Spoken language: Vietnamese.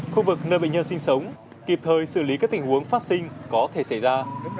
khu vực nơi bệnh nhân sinh sống kịp thời xử lý các tình huống phát sinh có thể xảy ra